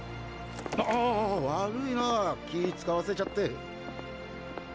ああぁ悪いな気ぃ使わせちゃって。